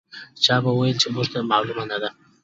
چا به ویل چې موږ ته معلومه نه ده.